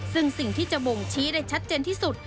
ซึ่งสิ่งที่จะบ่งชี้ได้ชัดเจนที่สุด